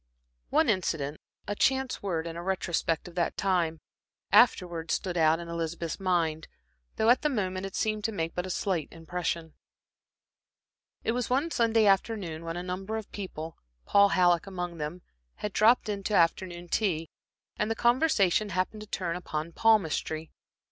One incident, a chance word, in a retrospect of that time, afterwards stood out in Elizabeth's mind, though at the moment it seemed to make but a slight impression. It was one Sunday afternoon when a number of people, Paul Halleck among them, had dropped in to afternoon tea, and the conversation happened to turn upon palmistry.